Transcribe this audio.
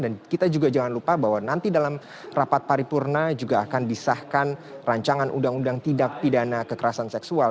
dan kita juga jangan lupa bahwa nanti dalam rapat paripurna juga akan disahkan rancangan undang undang tidak pidana kekerasan seksual